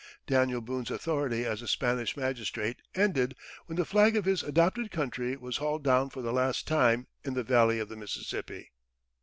Daniel Boone's authority as a Spanish magistrate ended when the flag of his adopted country was hauled down for the last time in the Valley of the Mississippi.